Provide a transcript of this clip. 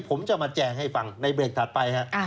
ผมจะมาแจงให้ฟังในเบรกถัดไปฮะ